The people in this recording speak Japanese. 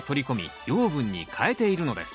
養分に変えているのです。